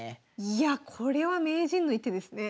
いやこれは名人の一手ですね。